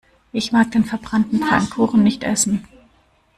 Ich mag den verbrannten Pfannkuchen nicht essen.